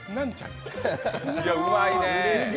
うまいね。